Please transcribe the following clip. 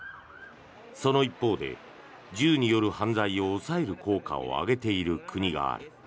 その一方で銃による犯罪を抑える効果を上げている国がある。